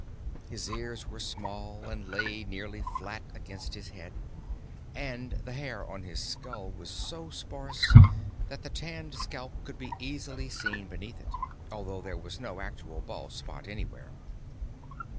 His ears were small and lay nearly flat against his head, and the hair on his skull was so sparse that the tanned scalp could be easily seen beneath it, although there was no actual bald spot anywhere.